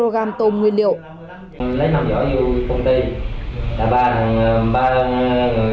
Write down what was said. lấy năm vỏ vô công ty ba người đồng ý hết sửa súc mỗi bơm một miếng